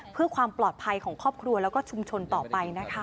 เพื่อความปลอดภัยของครอบครัวแล้วก็ชุมชนต่อไปนะคะ